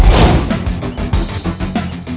terima kasih udah nonton